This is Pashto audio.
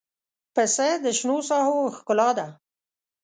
پسه د شنو ساحو ښکلا ده.